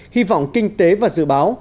hi vọng kinh tế và dự báo